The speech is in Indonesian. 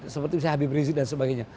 seperti habib rizieq dan sebagainya